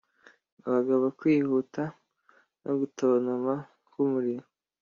mu bagabo kwihuta no gutontoma k'umuriro,